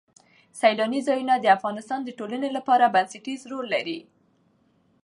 سیلانی ځایونه د افغانستان د ټولنې لپاره بنسټيز رول لري.